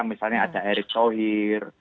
misalnya ada erick sohir